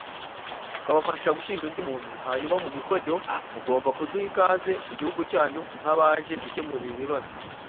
twabafasha gushinja undi muntu hanyuma mu gukora ibyo mugomba kuduha ikaze mu gihugu cyanyu nk’abaje gukemura ibibazo